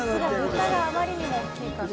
屮燭あまりにも大きいから。